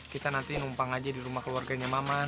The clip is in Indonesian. kita nantinya numpang aja di rumah keluarganya maman